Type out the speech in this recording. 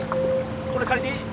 これ借りていい？